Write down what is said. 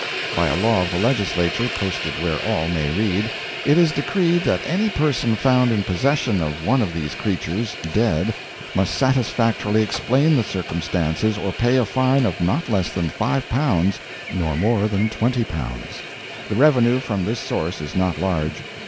By a law of the legislature, posted where all may read, it is decreed that any person found in possession of one of these creatures (dead) must satisfactorily explain the circumstances or pay a fine of not less than L5, nor more than L20. The revenue from this source is not large.